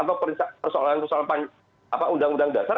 atau persoalan persoalan undang undang dasar